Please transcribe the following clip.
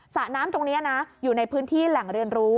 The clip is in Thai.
สระน้ำตรงนี้นะอยู่ในพื้นที่แหล่งเรียนรู้